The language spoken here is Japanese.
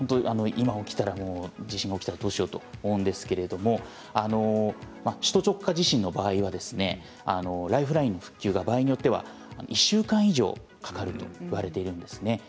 今、起きたら今、地震が起きたらどうしようと思うんですけれど首都直下地震の場合はライフラインの復旧が場合によっては、１週間以上かかるといわれているんですね。